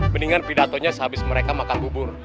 mendingan pidatonya sehabis mereka makan bubur